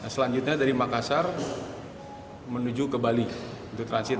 selanjutnya dari makassar menuju ke bali untuk transit